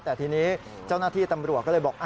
แต่ทีนี้เจ้าหน้าที่ตำรวจก็เลยบอก